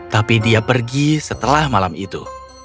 tapi dia pergi setelah malam itu